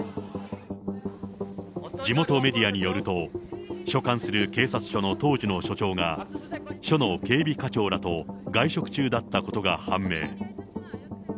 地元メディアによると、所管する警察署の当時の署長が、署の警備課長らと外食中だったことが判明。